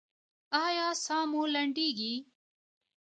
ایا ساه مو لنډیږي؟